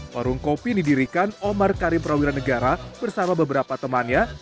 warung kopi didirikan omar karim prawira negara bersama beberapa temannya